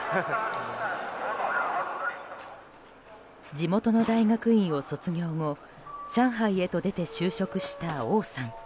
地元の大学院を卒業後上海へと出て就職した王さん。